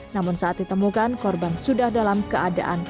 namun saat ditemukan korban sudah dalam keadaan